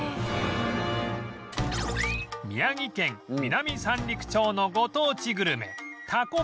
宮城県南三陸町のご当地グルメたこ